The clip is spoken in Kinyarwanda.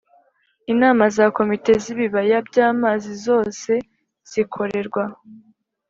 Inama za Komite z ibibaya by amazi zose zikorerwa